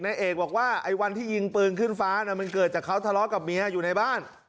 นายเอกบอกว่าไอ้วันที่ยิงปืนขึ้นฟ้ามันเกิดจากเขาทะเลาะกับเมียอยู่ในบ้าน